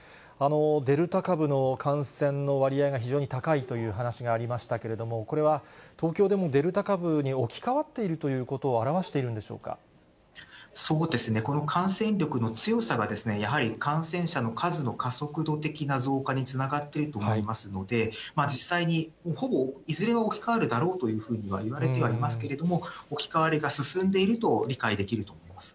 デルタ株の感染の割合が非常に高いという話がありましたけれども、これは東京でもデルタ株に置き換わっているということを表していそうですね、この感染力の強さが、やはり感染者の数の加速度的な増加につながっていると思いますので、実際に、ほぼ、いずれ置き換わるだろうというふうにはいわれてはいますけれども、置き換わりが進んでいると理解できると思います。